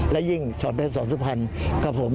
และยิ่งสอนเป็นสอนสุพรรณครับผม